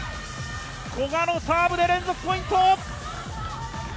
古賀のサーブで連続ポイント。